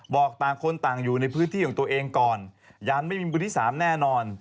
บอกต่างคนต่างอยู่ในพื้นที่ของตัวเองก่อนยันไม่มีมือที่สามแน่นอน